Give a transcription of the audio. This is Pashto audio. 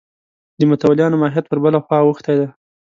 د متولیانو ماهیت پر بله خوا اوښتی دی.